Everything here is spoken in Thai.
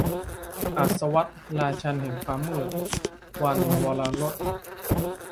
อัสวัด ราชันย์แห่งความมืด - วรรณวรรธน์